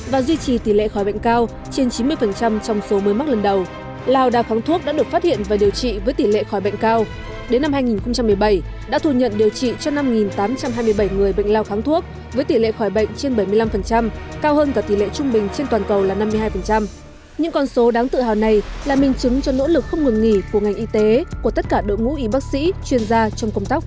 việt nam có tỷ lệ phát hiện đạt tám mươi một số mắc mới hàng năm và duy trì tỷ lệ khỏi bệnh cao trên chín mươi trong số mới mắc lần đầu